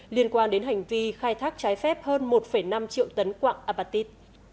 liên quan đến hành vi khai thác trái phép hơn một năm triệu tấn quạng abatit